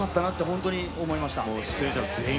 本当に思います。